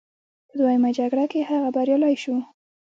په دویمه جګړه کې هغه بریالی شو.